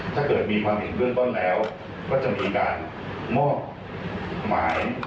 ถ้าเกิดมีความเห็นเพื่อนต้นแล้วก็จะมีการมอบหมายบุคคลในคนหนึ่ง